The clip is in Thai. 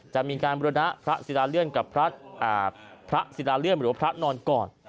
จะมีการบริณะพระศิลาเลื่อนกับพระศิลาเลื่อนหรือว่าพระนอนก่อน